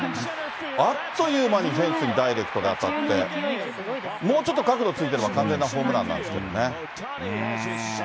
あっという間にフェンスにダイレクトで当たって、もうちょっと角度ついてれば、完全なホームランなんですけどね。